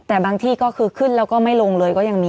แต่บางที่ก็คือขึ้นแล้วก็ไม่ลงเลยก็ยังมี